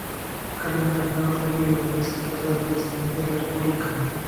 Carmen Romero Rubio de Díaz esposa del presidente de la República.